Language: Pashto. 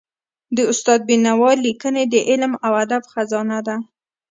د استاد بینوا ليکني د علم او ادب خزانه ده.